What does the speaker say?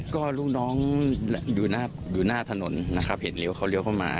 ก็ลูกน้องอยู่หน้าอยู่หน้าถนนนะครับเห็นเรียวเขาเรียวเข้ามา